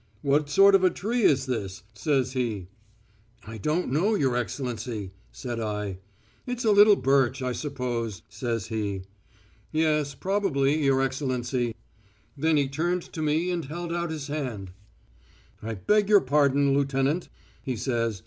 'What sort of a tree is this?' says he." "'I don't know, your Excellency,' said I. "'It's a little birch, I suppose,' says he. "'Yes, probably, your Excellency.'" Then he turned to me and held out his hand. "'I beg your pardon, lieutenant,' he says.